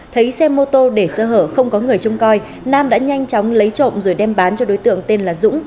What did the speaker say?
thấy xe mô tô để sơ hở không có người trông coi nam đã nhanh chóng lấy trộm rồi đem bán cho đối tượng tên là dũng